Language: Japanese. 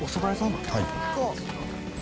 はい。